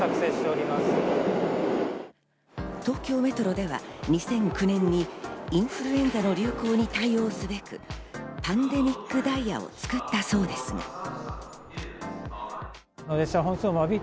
東京メトロでは２００９年にインフルエンザの流行に対応すべく、パンデミックダイヤを作ったそうですが。